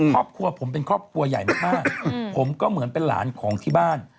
ครอบครัวผมเป็นครอบครัวใหญ่มากผมก็เหมือนเป็นหลานของที่บ้าน